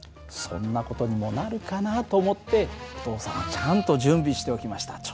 そんな事にもなるかなと思ってお父さんはちゃんと準備しておきました。